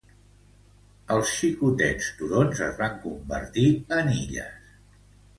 Els xicotets turons es van convertir en illes.